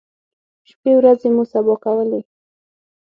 شپی ورځې مو سبا کولې.